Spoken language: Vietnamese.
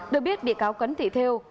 được biết bị cáo cấn thị thêu